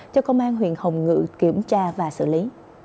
cho công an huyện hồng ngự kiểm tra và xử lý